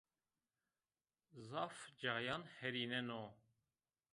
Zaf cayan hêrîneno